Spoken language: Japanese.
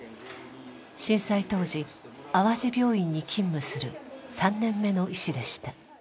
震災当時淡路病院に勤務する３年目の医師でした。